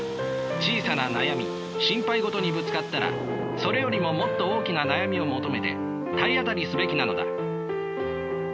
小さな悩み心配事にぶつかったらそれよりももっと大きな悩みを求めて体当たりすべきなのだ。